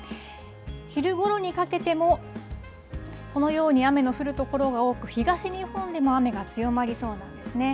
昼ごろにかけても、このように雨の降る所が多く、東日本でも雨が強まりそうなんですね。